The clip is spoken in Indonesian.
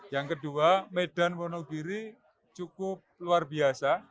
yang kedua medan wonogiri cukup luar biasa